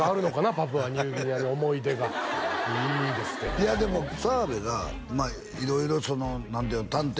パプアニューギニアの思い出がいいですっていやでも澤部が色々その「探偵！